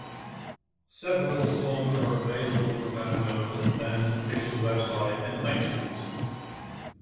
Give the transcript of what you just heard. Several songs are available for download on the band's official website and iTunes.